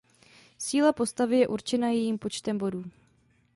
Síla postavy je určena jejím počtem bodů.